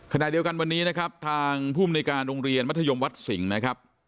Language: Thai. ขณะเดียวกันวันนี้นะครับทางภูมิในการโรงเรียนมัธยมวัดสิงห์นะครับ